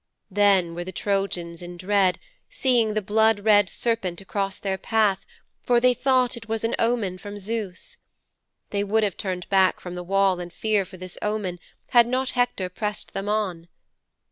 Then were the Trojans in dread, seeing the blood red serpent across their path, for they thought it was an omen from Zeus. They would have turned back from the wall in fear for this omen had not Hector pressed them on.